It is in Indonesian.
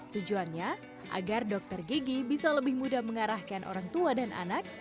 tujuannya agar dokter gigi bisa lebih mudah mengarahkan orang tua dan anak